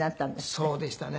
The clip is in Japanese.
そうでしたね。